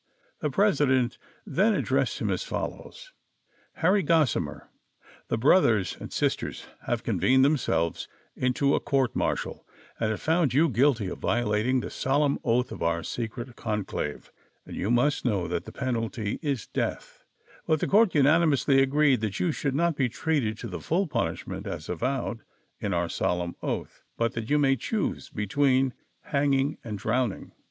" The president then addressed him as follows :" Harry Gossimer, the brothers and sisters have con vened themselves into a court martial, and have found you guilty of violating the solemn oath of our secret conclave, and you must know that the penalty is death ; but the court unanimously agreed that you should not be treated to the full punishment as avowed in our solemn oath, but that you may choose betAveen hanging and drowning.